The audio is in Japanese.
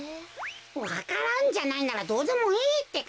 わか蘭じゃないならどうでもいいってか。